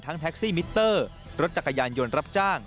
แท็กซี่มิเตอร์รถจักรยานยนต์รับจ้าง